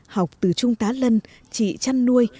học từ trung tán lân chị chăn nuôi